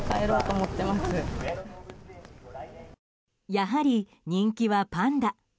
やはり人気はパンダ。